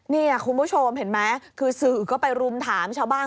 นี่คุณผู้ชมเห็นไหมคือสื่อก็ไปรุมถามชาวบ้าน